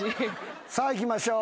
さあいきましょう。